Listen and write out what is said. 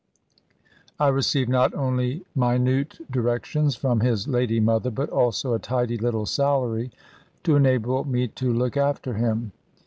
I received not only minute directions from his lady mother, but also a tidy little salary, to enable me to look after him.